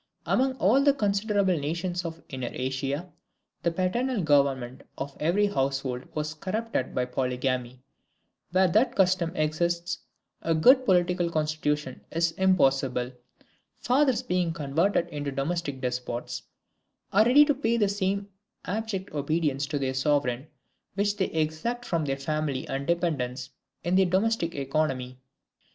"Among all the considerable nations of Inner Asia, the paternal government of every household was corrupted by polygamy; where that custom exists, a good political constitution is impossible. Fathers being converted into domestic despots, are ready to pay the same abject obedience to their sovereign which they exact from their family and dependants in their domestic economy."